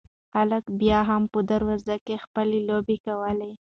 هلک بیا هم په دروازه کې خپلې لوبې کولې.